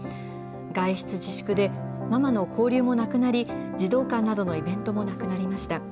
外出自粛で、ママの交流もなくなり、児童館などのイベントもなくなりました。